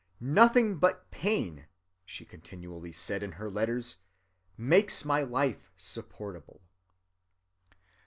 'Nothing but pain,' she continually said in her letters, 'makes my life supportable.